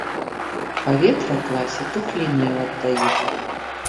Паветра ў класе тухлінаю аддае.